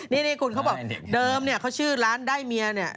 นี่คุณเขาบอกเดิมเขาชื่อร้านได้เมีย